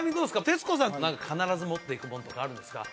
徹子さん何か必ず持っていくものとかあるんですか？